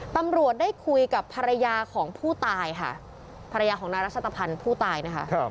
ตำรวจได้คุยกับภรรยาของผู้ตายค่ะภรรยาของนายรัชตะพันธ์ผู้ตายนะคะ